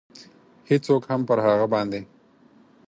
هېڅوک هم پر هغه باندې.